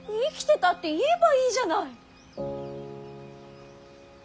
生きてたって言えばいいじゃない。